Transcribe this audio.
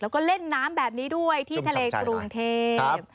แล้วก็เล่นน้ำแบบนี้ด้วยที่ทะเลกรุงเทพ